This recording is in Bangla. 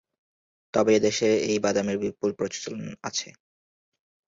তবে এদেশে এই বাদামের বিপুল প্রচলন আছে।